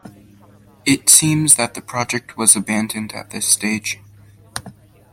It seems that the project was abandoned at this stage.